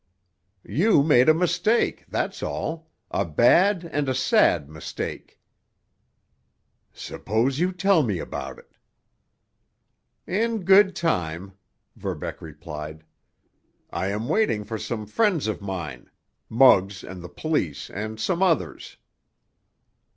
"You made a mistake, that's all—a bad and a sad mistake." "Suppose you tell me about it." "In good time," Verbeck replied. "I am waiting for some friends of mine—Muggs and the police and some others."